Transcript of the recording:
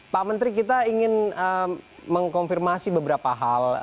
pak menteri kita ingin mengkonfirmasi beberapa hal